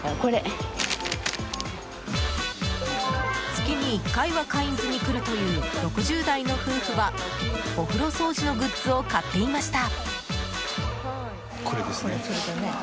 月に１回はカインズに来るという６０代の夫婦はお風呂掃除のグッズを買っていました。